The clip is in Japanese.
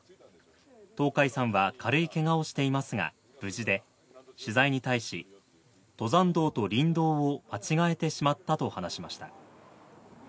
東海さんは軽いけがをしていますが無事で、取材に対し、登山道と林道を間違えてしまったと話しました。